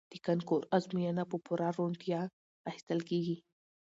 د کانکور ازموینه په پوره روڼتیا اخیستل کیږي.